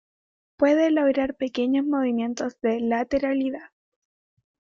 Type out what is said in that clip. Puede lograr pequeños movimientos de lateralidad.